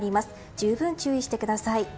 十分注意してください。